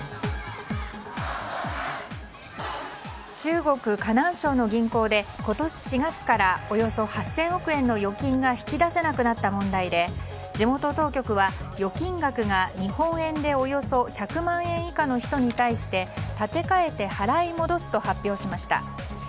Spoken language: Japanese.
中国・河南省の銀行で今年４月からおよそ８０００億円の預金が引き出せなくなった問題で地元当局は預金額が日本円でおよそ１００万円以下の人に対して立て替えて払い戻すと発表しました。